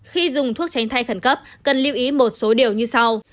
khi dùng thuốc tránh thai khẩn cấp cần lưu ý một số điều như sau